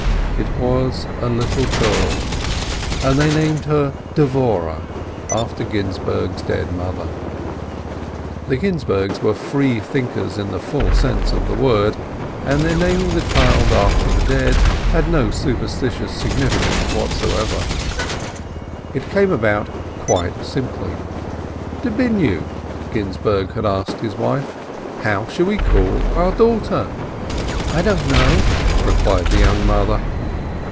It was a little girl, and they named her Dvoreh, after Ginzburg's dead mother. The Ginzburgs were both free thinkers in the full sense of the word, and their naming the child after the dead had no superstitious significance whatever. It came about quite simply. "Dobinyu," Ginzburg had asked his wife, "how shall we call our daughter ?" "I don't know," replied the young mother.